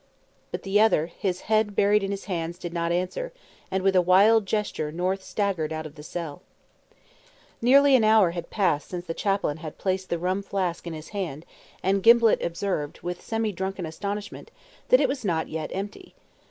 But the other, his head buried in his hands, did not answer, and with a wild gesture North staggered out of the cell. Nearly an hour had passed since the chaplain had placed the rum flask in his hand, and Gimblett observed, with semi drunken astonishment, that it was not yet empty.